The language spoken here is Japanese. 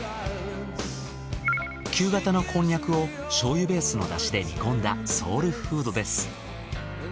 球型のこんにゃくを醤油ベースのだしで煮込んだソウルフードです。